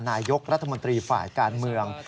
นายกรัฐมนตรีฝ่ายการเมือง